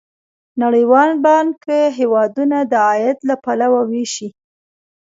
نړیوال بانک هیوادونه د عاید له پلوه ویشي.